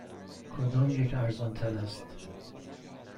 کدامیک ارزان تر است؟